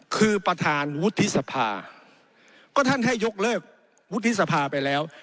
คือประธานวุฒิสภาก็ท่านให้ยกเลิกวุฒิสภาไปแล้ว